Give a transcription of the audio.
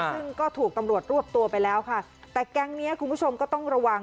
ซึ่งก็ถูกตำรวจรวบตัวไปแล้วค่ะแต่แก๊งเนี้ยคุณผู้ชมก็ต้องระวัง